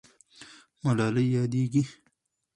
ملالۍ یادېږي.